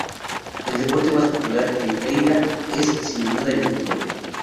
El deporte más popular en Leiria, es sin duda el fútbol.